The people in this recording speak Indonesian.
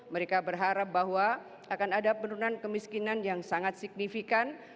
mereka berharap bahwa akan ada penurunan kemiskinan yang sangat signifikan